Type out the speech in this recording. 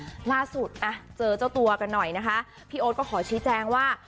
ล่าสุดอ่ะเจอเจ้าตัวกันหน่อยนะคะพี่โอ๊ตก็ขอชี้แจงว่า